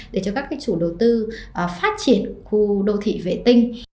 để cho các chủ đầu tư phát triển khu đô thị vệ tinh